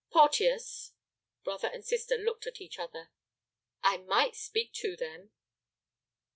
"Porteus." Brother and sister looked at each other. "I might speak to them."